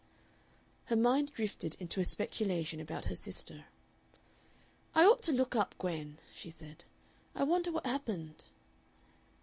Her mind drifted into a speculation about her sister. "I ought to look up Gwen," she said. "I wonder what happened."